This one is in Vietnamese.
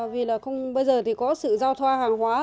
vì là bây giờ thì có sự giao thoa hàng hóa